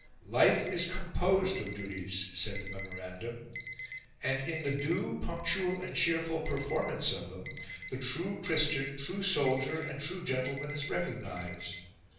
"Life is composed of duties," said the memorandum, "and in the due, punctual and cheerful performance of them the true Christian, true soldier, and true gentleman is recognised...